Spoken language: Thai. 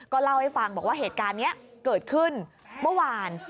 เล่าให้ฟังบอกว่าเหตุการณ์นี้เกิดขึ้นเมื่อวาน